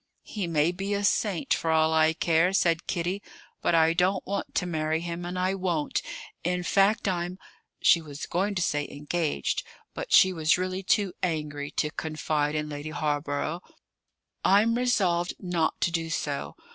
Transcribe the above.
"He may be a saint for all I care," said Kitty; "but I don't want to marry him, and I won't. In fact, I'm " She was going to say "engaged," but she was really too angry to confide in Lady Hawborough " I'm resolved not to do so.